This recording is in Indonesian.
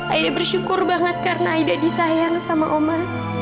aida bersyukur banget karena aida disayang sama oma